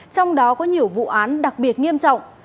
trong đó có nhiều vụ án đặc biệt nghiêm trọng